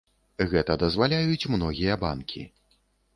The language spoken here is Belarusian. Гэта дазваляюць многія банкі.